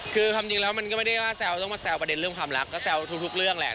คือความจริงแล้วมันก็ไม่ได้ว่าแซวต้องมาแซวประเด็นเรื่องความรักก็แซวทุกเรื่องแหละ